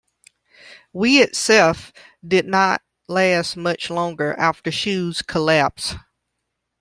Wei itself did not last much longer after Shu's collapse.